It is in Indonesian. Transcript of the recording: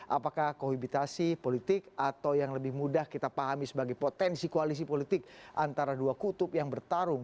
apakah kohibitasi politik atau yang lebih mudah kita pahami sebagai potensi koalisi politik antara dua kutub yang bertarung